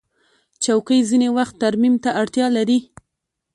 چوکۍ ځینې وخت ترمیم ته اړتیا لري.